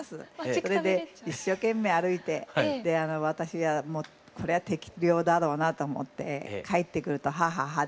それで一生懸命歩いて私がこれは適量だろうなと思って帰ってくるとハアハアハア。